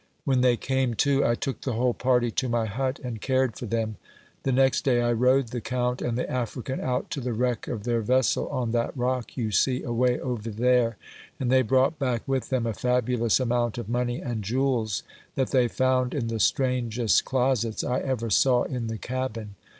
When they came to, I took the whole party to my hut and cared for them. The next day I rowed the Count and the African out to the wreck of their vessel on that rock you see away over there, and they brought back with them a fabulous amount of money and jewels that they found in the strangest closets I ever saw in the cabin.